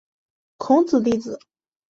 孔子弟子。